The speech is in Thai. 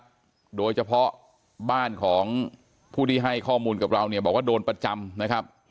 โดยเฉพาะบ้านของผู้ที่ให้ข้อมูลกับเราเนี่ยบอกว่าโดนประจำนะครับ